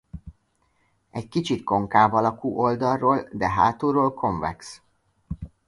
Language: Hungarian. Egy kicsit konkáv alakú oldalról de hátulról konvex.